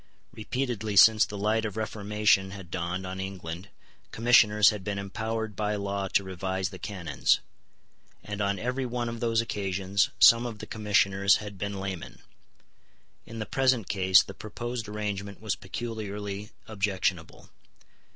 Repeatedly since the light of reformation had dawned on England Commissioners had been empowered by law to revise the canons; and on every one of those occasions some of the Commissioners had been laymen. In the present case the proposed arrangement was peculiarly objectionable.